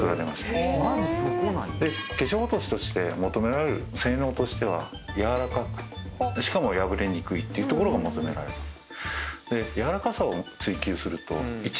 化粧落としとして求められる性能としては柔らかくしかも破れにくいっていうところが求められます。